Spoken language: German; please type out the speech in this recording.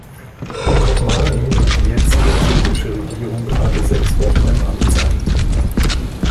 In Kopenhagen wird die jetzige türkische Regierung gerade sechs Wochen im Amt sein.